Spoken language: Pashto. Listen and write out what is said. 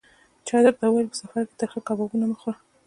چا درته ویل: په سفر کې ترخه کبابونه مه خوره.